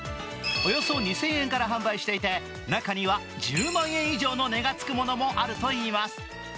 およそ２０００円から販売していて中には１０万円以上の値がつくものもあるといいます。